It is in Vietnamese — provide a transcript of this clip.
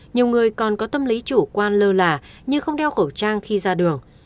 nhiều người còn có tâm lý chủ quan lơ là như không đeo khẩu trang khi ra đường